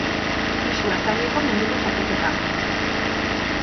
Pisu ertaineko munduko txapelketa.